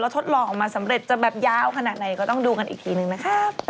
ทดลองออกมาสำเร็จจะแบบยาวขนาดไหนก็ต้องดูกันอีกทีนึงนะครับ